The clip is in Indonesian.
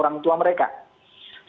jadi kita bisa menggunakan tablet online